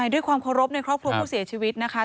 ด้วยความเคารพในครอบครัวผู้เสียชีวิตนะคะ